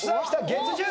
月１０！